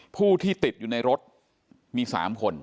ผู้ที่ติดอยู่ในรถมี๓คน